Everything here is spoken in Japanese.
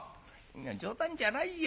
冗談じゃないよ